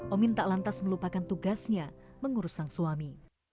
omin tak lantas melupakan tugasnya mengurus sang suami